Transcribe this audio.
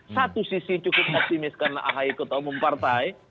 satu sisi cukup optimis karena ahy ketua umum partai